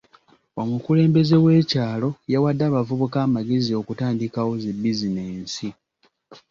Omukulembeze w'ekyalo yawadde abavubuka amagezi okutandikawo zi bizinensi